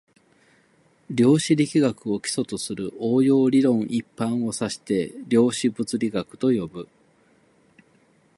量子力学を基礎とする応用理論一般を指して量子物理学と呼ぶ